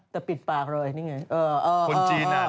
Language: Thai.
แต่ปิดปากเลยนี่ไง